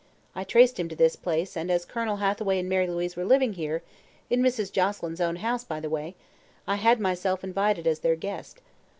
I traced him to this place and as Colonel Hathaway and Mary Louise were living here in Mrs. Joselyn's own house, by the way I had myself invited as their guest.